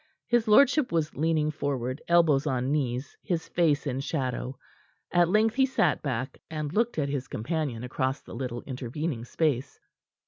His lordship was leaning forward, elbows on knees, his face in shadow. At length he sat back, and looked at his companion across the little intervening space.